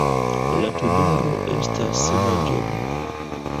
La tubero estas manĝebla.